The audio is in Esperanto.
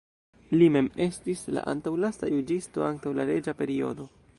Li mem estis la antaŭlasta juĝisto antaŭ la reĝa periodo.